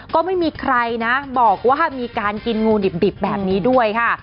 ก็ไม่มีใครนะบอกว่ามีการกินงูดิบแบบนี้ด้วยค่ะ